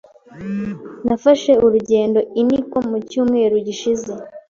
Nafashe urugendo i Nikko mu cyumweru gishize.